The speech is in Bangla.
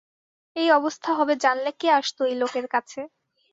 এই অবস্থা হবে জানলে কে আসত এই লোকের কাছে!